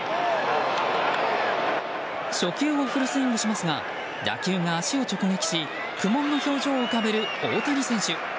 初球をフルスイングしますが打球が足を直撃し苦悶の表情を浮かべる大谷選手。